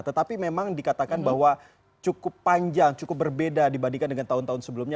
tetapi memang dikatakan bahwa cukup panjang cukup berbeda dibandingkan dengan tahun tahun sebelumnya